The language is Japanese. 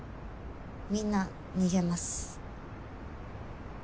みんな逃げます。